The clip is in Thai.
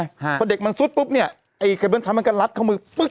ฮะเพราะเด็กมันซุดปุ๊บเนี้ยไอ้มันก็ลัดเขามือปึ๊บ